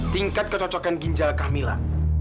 tingkat kecocokan ginjal kamila